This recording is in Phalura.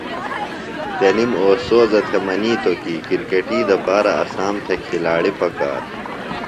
تنِم اوستوذہ تھےۡ منِیتوۡ کی کرکٹی دپارہ اسام تھےۡ کِھلاڑی پکار۔